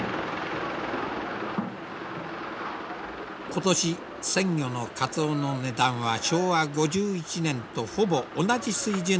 今年鮮魚のカツオの値段は昭和５１年とほぼ同じ水準で動いている。